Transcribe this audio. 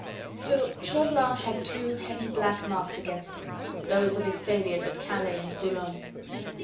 Still Chauvelin had two heavy black marks against him those of his failures at Calais and Boulogne.